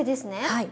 はい。